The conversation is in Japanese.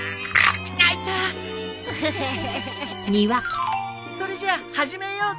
それじゃあ始めようか。